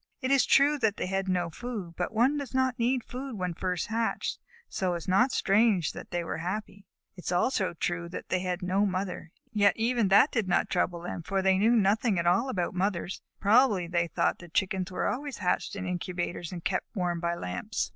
It is true that they had no food, but one does not need food when first hatched, so it is not strange that they were happy. It is also true that they had no mother, yet even that did not trouble them, for they knew nothing at all about mothers. Probably they thought that Chickens were always hatched in incubators and kept warm by lamps.